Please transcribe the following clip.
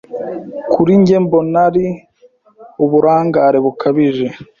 Kuri njye mbona ari uburangare bukabije.